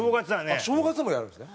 正月もやるんですね。